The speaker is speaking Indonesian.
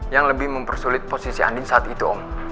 yang lebih mempersulit posisi andi saat itu om